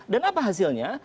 dan apa hasilnya